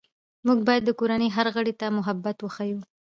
موږ باید د کورنۍ هر غړي ته محبت وښیو